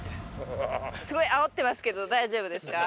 すごいあおってますけど大丈夫ですか？